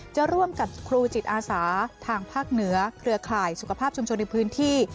จะร่วมกับครูจิตอาสาทางภาคเหนือเครือข่ายสุขภาพชุมชนในพื้นที่